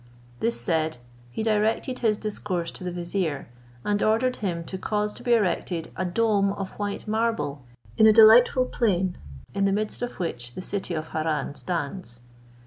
This said, he directed his discourse to the vizier, and ordered him to cause to be erected a dome of white marble, in a delightful plain, in the midst of which the city of Harran stands.